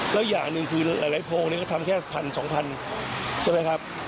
แล้วอย่างหนึ่งคือหลายโพงนี้ก็ทำแค่พันสองพันใช่ไหมครับ